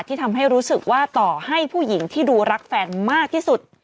ที่ทำให้รู้สึกว่าต่อให้ผู้หญิงที่ดูรักแฟนมากที่สุด